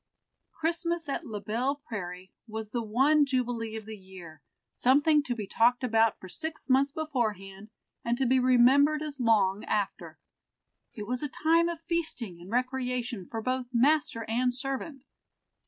Christmas at La Belle Prairie was the one jubilee of the year, something to be talked about for six months beforehand, and to be remembered as long after. It was a time of feasting and recreation for both master and servant.